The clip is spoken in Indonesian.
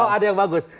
oh ada yang bagus